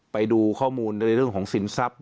ไปดูข้อมูลในเรื่องของสินทรัพย